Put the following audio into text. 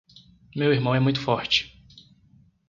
Meu irmão é muito forte.